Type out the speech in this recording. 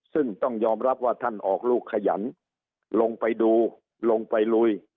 ซึ่งต้องยอมรับว่าท่านออกลูกขยันลงไปดูลงไปลุย